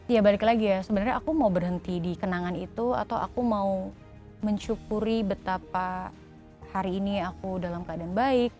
ya balik lagi ya sebenarnya aku mau berhenti di kenangan itu atau aku mau mensyukuri betapa hari ini aku dalam keadaan baik